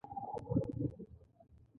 تر ټاټ لاندې له وسلو سره یو ځای پرېوتم.